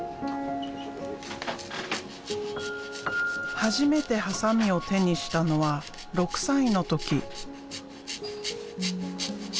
初めてハサミを手にしたのは６歳の時。